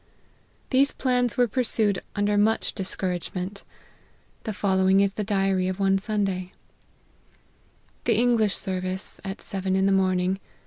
These plans were pursued under much discouragement ; the following is the diary of one Sunday :" The English service, at seven in the morning.